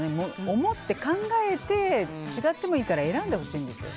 思って、考えて違ってもいいから選んでほしいんですよ。